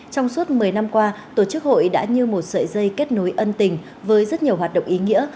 trong suốt một mươi năm qua tổ chức hội đã như một sợi dây kết nối ân tình với rất nhiều hoạt động ý nghĩa